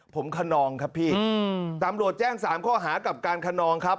ผมขนองครับพี่ตำรวจแจ้ง๓ข้อหากับการคนนองครับ